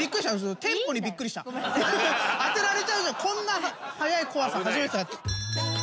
当てられちゃうんじゃこんな早い怖さ初めてだった。